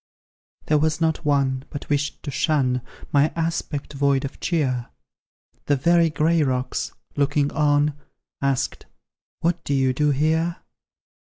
There was not one, but wished to shun My aspect void of cheer; The very gray rocks, looking on, Asked, "What do you here?"